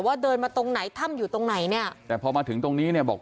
เดินมาตรงไหนถ้ำอยู่ตรงไหนเนี่ยแต่พอมาถึงตรงนี้เนี่ยบอก